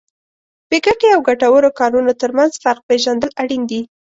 بې ګټې او ګټورو کارونو ترمنځ فرق پېژندل اړین دي.